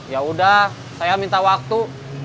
yaudah saya minta waktu